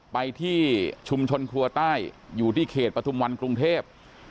ไปที่ชุมชนครัวใต้อยู่ที่เขตปฐุมวันกรุงเทพ